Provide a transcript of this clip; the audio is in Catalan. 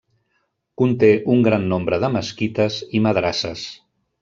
Conté un gran nombre de mesquites i madrasses.